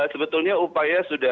sebetulnya upaya sudah